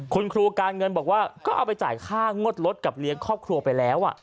คุณครูการเงินบอกว่าก็เอาไปจ่ายค่างวดรถกับเลี้ยงครอบครัวไปแล้ว